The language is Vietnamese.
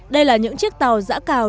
đây là những chiếc tàu dã cào